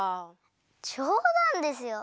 じょうだんですよ！